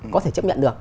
có thể chấp nhận được